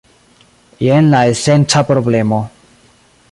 Jen la esenca problemo.